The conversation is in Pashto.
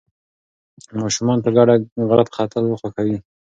ماشومان په ګډه غره ته ختل خوښوي.